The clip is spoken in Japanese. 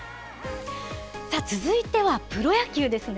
続いてはプロ野球ですね。